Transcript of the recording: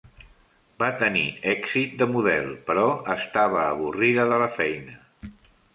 Va tenir èxit de model, però estava avorrida de la feina.